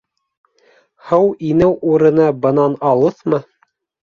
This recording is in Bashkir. Һыу инеү урыны бынан алыҫмы?